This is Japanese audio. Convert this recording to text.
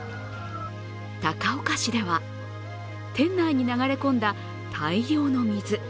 高岡市では店内に流れ込んだ大量の水。